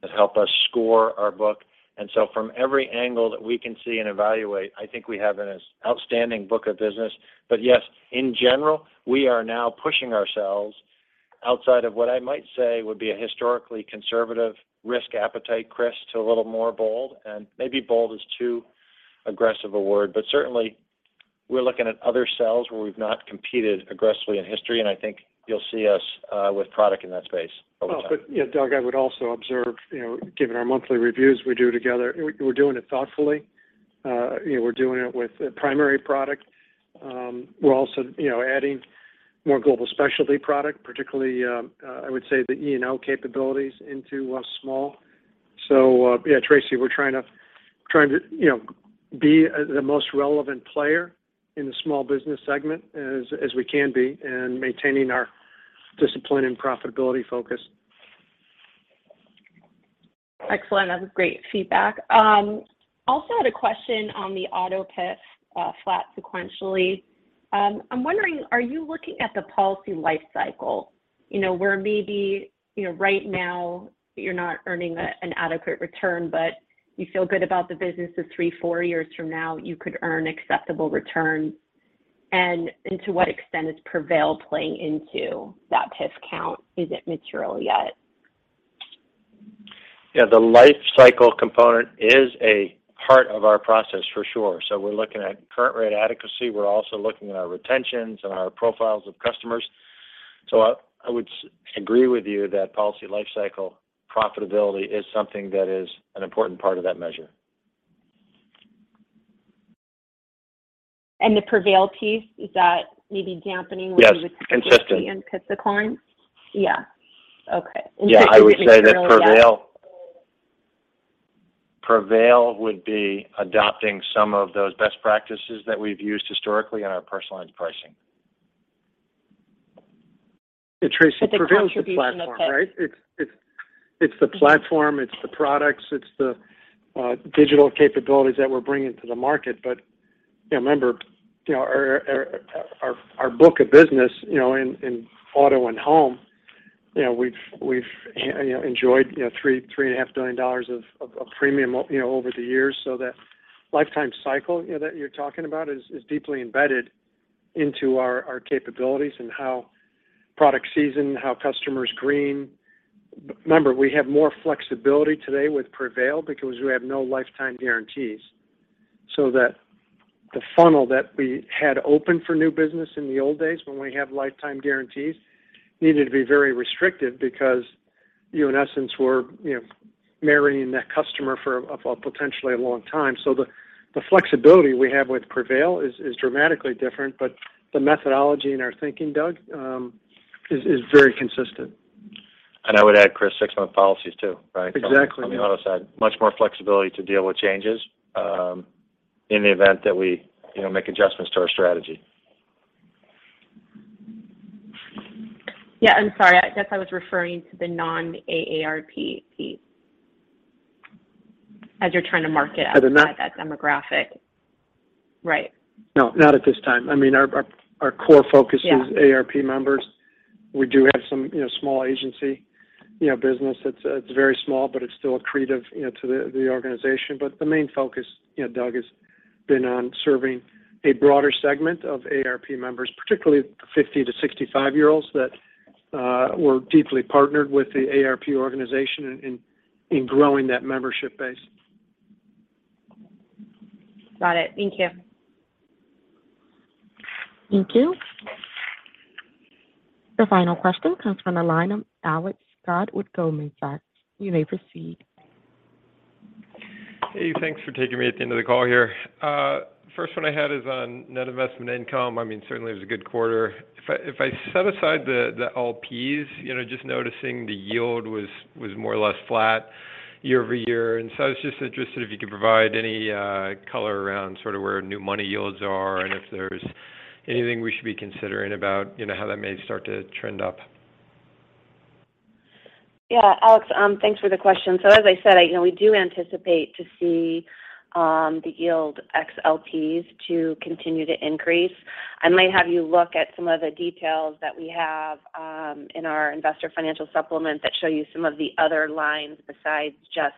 that help us score our book. From every angle that we can see and evaluate, I think we have an outstanding book of business. Yes, in general, we are now pushing ourselves outside of what I might say would be a historically conservative risk appetite, Chris, to a little more bold. Maybe bold is too aggressive a word. Certainly, we're looking at other cells where we've not competed aggressively in history, and I think you'll see us with product in that space over time. Oh, yeah, Doug, I would also observe, you know, given our monthly reviews we do together, we're doing it thoughtfully. You know, we're doing it with a primary product. We're also, you know, adding more Global Specialty product, particularly, I would say the E&O capabilities into small. Yeah, Tracy, we're trying to, you know, be the most relevant player in the small business segment as we can be, and maintaining our discipline and profitability focus. Excellent. That was great feedback. Also had a question on the auto PIF, flat sequentially. I'm wondering, are you looking at the policy life cycle, you know, where maybe, you know, right now you're not earning an adequate return, but you feel good about the business of three, four years from now, you could earn acceptable return? To what extent is Prevail playing into that PIF count? Is it material yet? Yeah. The life cycle component is at the heart of our process for sure. We're looking at current rate adequacy, we're also looking at our retentions and our profiles of customers. I would agree with you that policy life cycle profitability is something that is an important part of that measure. The Prevail piece, is that maybe dampening what you would see? Yes. Consistent. in PIF declines? Yeah. Okay. Yeah. I would say that Prevail would be adopting some of those best practices that we've used historically in our Personal Lines pricing. Yeah, Tracy, Prevail is the platform, right? It's the platform, it's the products, it's the digital capabilities that we're bringing to the market. But, you know, remember, you know, our book of business, you know, in auto and home, you know, we've enjoyed, you know, $3.5 billion of premium, you know, over the years. So that lifetime cycle, you know, that you're talking about is deeply embedded into our capabilities and how products season, how customers retain. Remember, we have more flexibility today with Prevail because we have no lifetime guarantees. That the funnel that we had open for new business in the old days when we have lifetime guarantees needed to be very restricted because you, in essence, were, you know, marrying that customer for a potentially long time. The flexibility we have with Prevail is dramatically different. The methodology in our thinking, Doug, is very consistent. I would add, Chris, six-month policies too, right? Exactly, yeah. On the auto side. Much more flexibility to deal with changes, in the event that we, you know, make adjustments to our strategy. Yeah. I'm sorry. I guess I was referring to the non-AARP piece as you're trying to market- As a non- at that demographic. Right. No, not at this time. I mean, our core focus. Yeah. is AARP members. We do have some, you know, small agency, you know, business. It's very small, but it's still accretive, you know, to the organization. The main focus, you know, Doug, has been on serving a broader segment of AARP members, particularly the 50-65-year-olds that we're deeply partnered with the AARP organization in growing that membership base. Got it. Thank you. Thank you. Your final question comes from the line of Alex Scott with Goldman Sachs. You may proceed. Hey, thanks for taking me at the end of the call here. First one I had is on net investment income. I mean, certainly it was a good quarter. If I set aside the LPs, you know, just noticing the yield was more or less flat year over year. I was just interested if you could provide any color around sort of where new money yields are and if there's anything we should be considering about, you know, how that may start to trend up. Yeah. Alex, thanks for the question. As I said, you know, we do anticipate to see the yield ex-LPs to continue to increase. I might have you look at some of the details that we have in our Investor Financial Supplement that show you some of the other lines besides just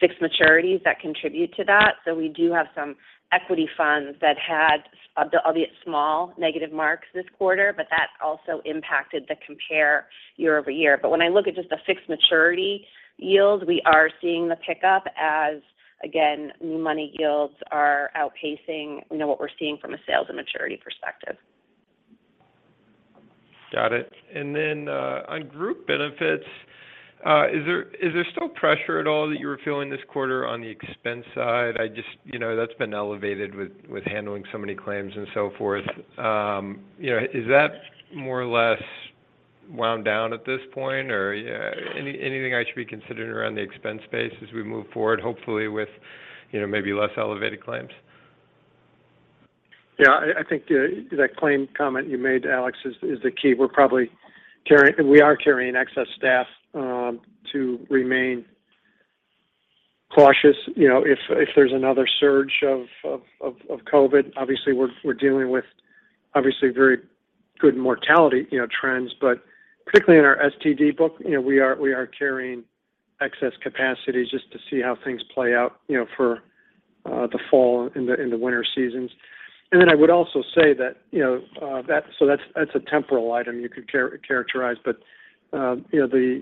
fixed maturities that contribute to that. We do have some equity funds that had the albeit small negative marks this quarter, but that also impacted the comp year-over-year. When I look at just the fixed maturity yields, we are seeing the pickup as, again, new money yields are outpacing, you know, what we're seeing from a sales and maturity perspective. Got it. On Group Benefits, is there still pressure at all that you were feeling this quarter on the expense side? I just. You know, that's been elevated with handling so many claims and so forth. You know, is that more or less wound down at this point? Or, anything I should be considering around the expense base as we move forward, hopefully with, you know, maybe less elevated claims? Yeah, I think that claim comment you made, Alex, is the key. We are carrying excess staff to remain cautious, you know, if there's another surge of COVID. Obviously, we're dealing with obviously very good mortality, you know, trends. But particularly in our STD book, you know, we are carrying excess capacity just to see how things play out, you know, for the fall and the winter seasons. I would also say that, you know, that's a temporal item you could characterize. You know, the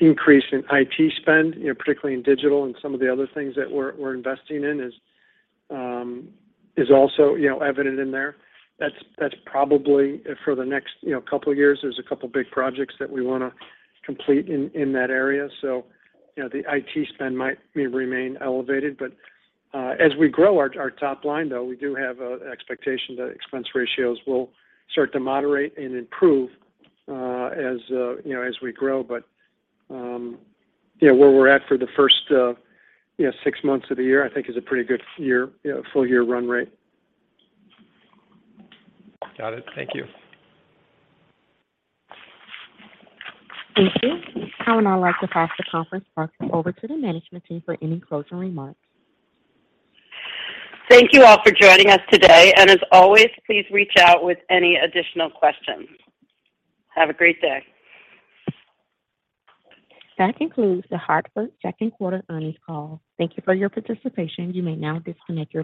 increase in IT spend, you know, particularly in digital and some of the other things that we're investing in is also, you know, evident in there. That's probably for the next couple of years. You know, there's a couple of big projects that we wanna complete in that area. You know, the IT spend may remain elevated. As we grow our top line, though, we do have an expectation that expense ratios will start to moderate and improve, as you know, as we grow. You know, where we're at for the first six months of the year, I think is a pretty good full-year run rate. Got it. Thank you. Thank you. I would now like to pass the conference back over to the management team for any closing remarks. Thank you all for joining us today. As always, please reach out with any additional questions. Have a great day. That concludes The Hartford second quarter earnings call. Thank you for your participation. You may now disconnect your lines.